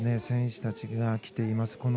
選手たちが来ています。